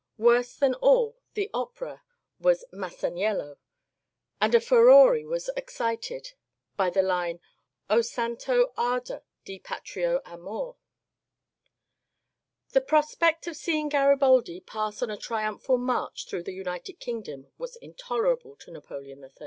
Worse than all, the opera was *^ MasanieUo," and a furore was excited by the line ^^O santo ardor di patrio amor.'' 60 MONCURE DANIEL CONWAY The prospect of seeing Graribaldi pass on a triumphal march through the United Kingdom was intolerable to Napoleon III.